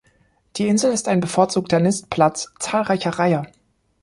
Die Insel ist ein bevorzugter Nistplatz zahlreicher Reiher.